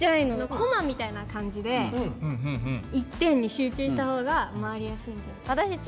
コマみたいな感じで一点に集中した方が回りやすいんじゃ。